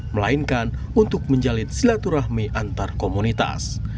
melainkan untuk menjalin silaturahmi antar komunitas